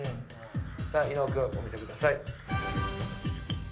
さあ伊野尾君お見せください。